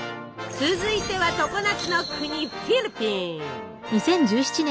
続いては常夏の国フィリピン！